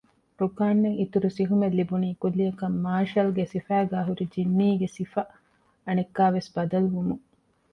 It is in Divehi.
ރުކާންއަށް އިތުރު ސިހުމެއް ލިބުނީ ކުއްލިއަކަށް މާޝަލްގެ ސިފައިގައި ހުރި ޖިންނީގެ ސިފަ އަނެއްކާވެސް ބަދަލުވުމުން